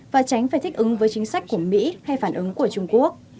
và tránh phải thích ứng với chính sách của mỹ hay phản ứng của trung quốc